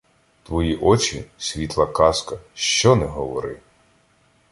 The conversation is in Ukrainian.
Твої очі – світла казка, що не говори.